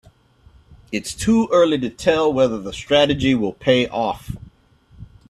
Its too early to tell whether the strategy will pay off.